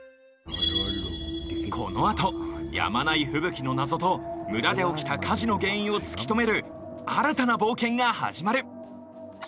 このあとやまない吹雪の謎と村で起きた火事の原因を突き止める新たな冒険が始まる！